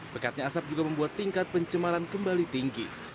pekatnya asap juga membuat tingkat pencemaran kembali tinggi